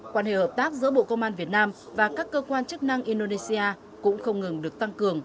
quan hệ hợp tác giữa bộ công an việt nam và các cơ quan chức năng indonesia cũng không ngừng được tăng cường